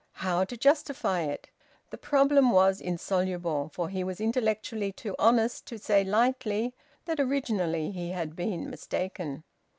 How to justify it? The problem was insoluble, for he was intellectually too honest to say lightly that originally he had been mistaken.